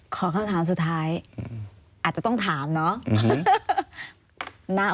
ขอคำถามสุดท้ายอาจจะต้องถามเนาะ